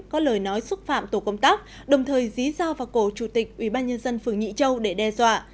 có lời nói xúc phạm tổ công tác đồng thời dí giao vào cổ chủ tịch ubnd phường nhị châu để đe dọa